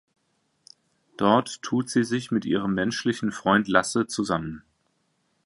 Dort tut sie sich mit ihrem menschlichen Freund Lasse zusammen.